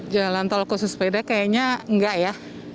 jalan tol khusus sepeda kayaknya enggak ya